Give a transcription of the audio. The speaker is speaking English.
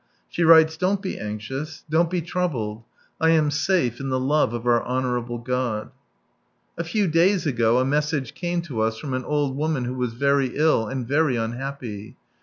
She writes, "Don't be anxious, don't be troubled ; I am safe in the love of our Honourable God." A few days ago a message came to us from an old woman wlio was very ill, and very unhappy.